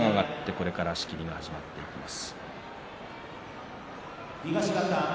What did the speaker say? これから仕切りが始まっていきます。